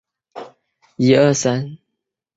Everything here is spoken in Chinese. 黔金丝猴仅分布在贵州武陵山的梵净山地区。